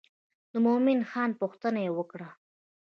د مومن خان پوښتنه یې وکړه.